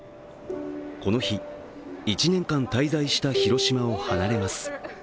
この日、１年間滞在した広島を離れます。